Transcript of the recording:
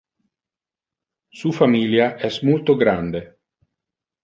Su familia es multo grande.